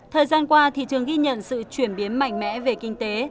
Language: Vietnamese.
thời gian qua thị trường ghi nhận sự chuyển biến mạnh mẽ về kinh tế